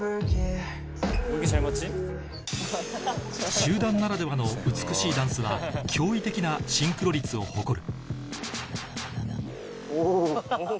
集団ならではの美しいダンスは驚異的なシンクロ率を誇る